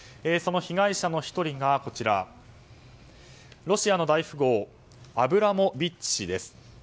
その被害者の１人がロシアの大富豪アブラモビッチ氏です。